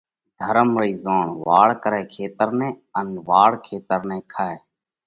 ڌرم رئِي زوڻ ”واڙ ڪرئہ کيتر نئہ ان واڙ کيتر نئہ کائہ۔“: